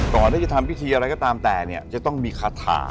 ต่อได้จะทำพิธีอะไรก็ตามแต่จะต้องมีคาถา